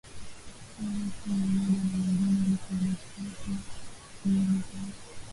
Au mtu mmoja na mwingine ili kuelewana na katikia shughuli zao